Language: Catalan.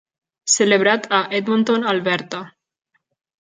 Celebrat a Edmonton, Alberta.